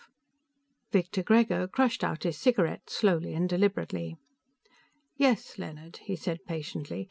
V Victor Grego crushed out his cigarette slowly and deliberately. "Yes, Leonard," he said patiently.